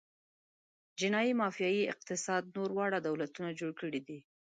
جنايي مافیايي اقتصاد نور واړه دولتونه جوړ کړي دي.